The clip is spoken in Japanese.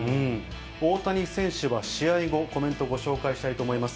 大谷選手の試合後のコメントをご紹介したいと思います。